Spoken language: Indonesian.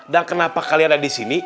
dan kenapa kalian ada disini